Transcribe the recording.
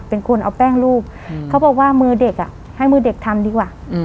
เป็นคนเอาแป้งรูปเขาบอกว่ามือเด็กอ่ะให้มือเด็กทำดีกว่า